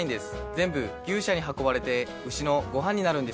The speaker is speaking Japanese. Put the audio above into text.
全部牛舎に運ばれて牛のごはんになるんですよ。